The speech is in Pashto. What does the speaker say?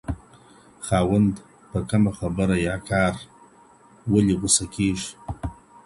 خاوند په کومه خبره يا کار ولي غصه کيږي؟